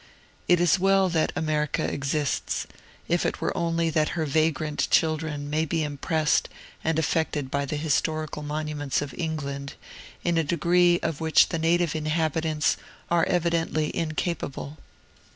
It is well that America exists, if it were only that her vagrant children may be impressed and affected by the historical monuments of England in a degree of which the native inhabitants are evidently incapable.